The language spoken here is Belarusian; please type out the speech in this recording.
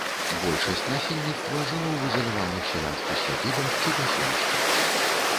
Большасць насельніцтва жыло ў ізаляваных сялянскіх сядзібах ці паселішчах.